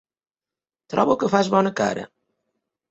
Trobo que fas bona cara.